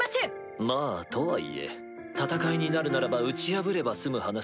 まぁとはいえ戦いになるならば打ち破れば済む話。